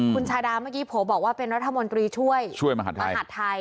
คุณชายดามเมื่อกี้โผล่บอกว่าเป็นรัฐมนตรีช่วยมาหัดไทย